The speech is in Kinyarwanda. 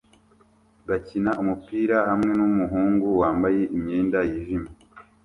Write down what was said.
bakina umupira hamwe numuhungu wambaye imyenda yijimye